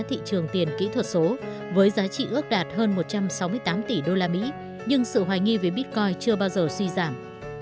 thị trường tiền kỹ thuật số với giá trị ước đạt hơn một trăm sáu mươi tám tỷ usd nhưng sự hoài nghi về bitcoin chưa bao giờ suy giảm